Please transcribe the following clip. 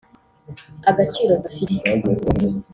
Agaciro dufite